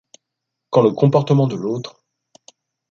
Quand le comportement de l’autre…